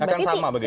akan sama begitu